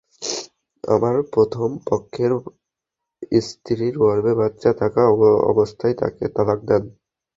আমার বাবা প্রথম পক্ষের স্ত্রীর গর্ভে বাচ্চা থাকা অবস্থায় তাঁকে তালাক দেন।